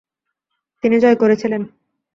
তিনি জয় করেছিলেন।